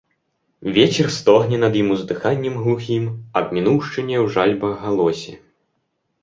Вецер стогне над ім уздыханнем глухім, - аб мінуўшчыне ў жальбах галосе.